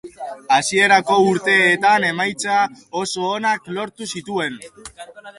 Hasierako urteetan emaitza oso onak lortu zituen.